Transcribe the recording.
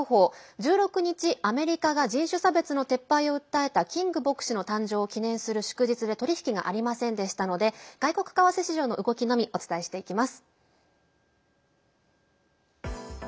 １６日、アメリカが人種差別の撤廃を訴えたキング牧師の誕生を記念する祝日で取引がありませんでしたので外国為替市場の動きのみお伝えしていきます。